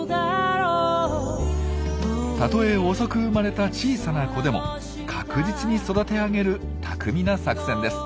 たとえ遅く生まれた小さな子でも確実に育て上げる巧みな作戦です。